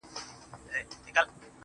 دا داسي سوى وي,